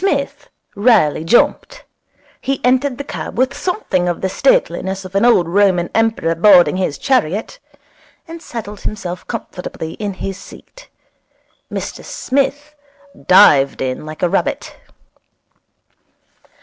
Psmith rarely jumped. He entered the cab with something of the stateliness of an old Roman Emperor boarding his chariot, and settled himself comfortably in his seat. Mr Smith dived in like a rabbit.